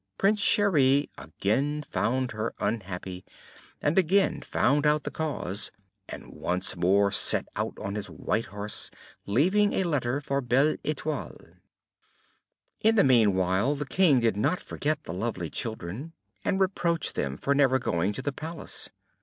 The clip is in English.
Prince Cheri again found her unhappy, and again found out the cause, and once more set out on his white horse, leaving a letter for Belle Etoile. In the meanwhile, the King did not forget the lovely children, and reproached them for never going to the Palace.